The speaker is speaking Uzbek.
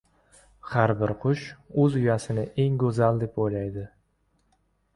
• Har bir qush o‘z uyasini eng go‘zal deb o‘ylaydi.